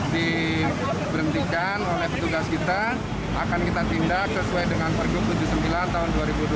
diberhentikan oleh petugas kita akan kita tindak sesuai dengan pergubun jusimila tahun dua ribu dua puluh